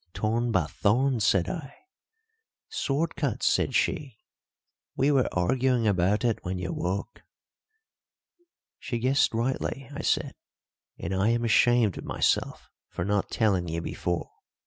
'Torn by thorns,' said I. 'Sword cuts,' said she. We were arguing about it when you woke." "She guessed rightly," I said, "and I am ashamed of myself for not telling you before.